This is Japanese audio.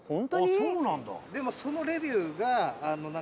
あっそうなんだ。